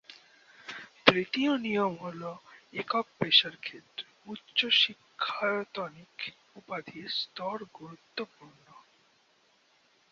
তৃতীয় নিয়ম হল একক পেশার ক্ষেত্রে উচ্চশিক্ষায়তনিক উপাধির স্তর গুরুত্বপূর্ণ।